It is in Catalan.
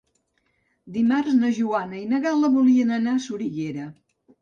Dimarts na Joana i na Gal·la voldrien anar a Soriguera.